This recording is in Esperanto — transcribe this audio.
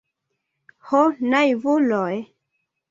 Ho naivuloj!